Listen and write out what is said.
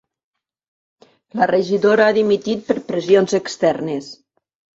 La regidora ha dimitit per pressions externes